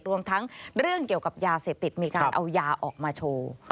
รวมทั้งเรื่องเกี่ยวกับยาเสพติดมีการเอายาออกมาโชว์